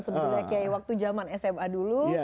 sebetulnya kiai waktu zaman sma dulu